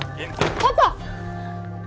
パパ！